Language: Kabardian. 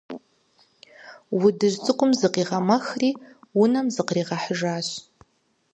Удыжь цӀыкӀум зыкъигъэмэхри унэм зыкъригъэхьыжащ.